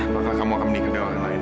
maka kamu akan menikah dengan orang lain